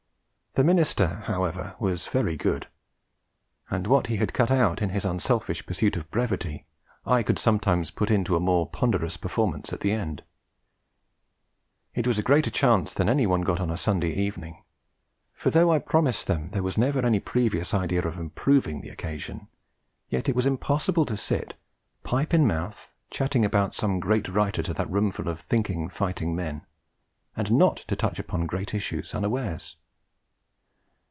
The minister, however, was very good; and what he had cut out, in his unselfish pursuit of brevity, I could sometimes put into a more ponderous performance at the end. It was a greater chance than any that one got on Sunday evening; for though I promise them there was never any previous idea of improving the occasion, yet it was impossible to sit, pipe in mouth, chatting about some great writer to that roomful of thinking, fighting men, and not to touch great issues unawares.